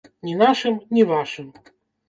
Ні нашым, ні вашым.